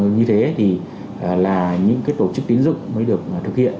như thế thì là những tổ chức tín dụng mới được thực hiện